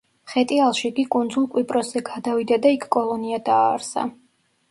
ხეტიალში იგი კუნძულ კვიპროსზე გადავიდა და იქ კოლონია დააარსა.